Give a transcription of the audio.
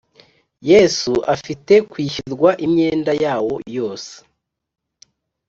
Yesu afite kwishyurwa imyenda yawo yose